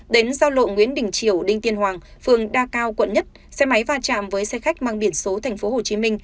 đến giao lộ nguyễn đình triều đinh tiên hoàng phường đa cao quận một xe máy va chạm với xe khách mang biển số tp hcm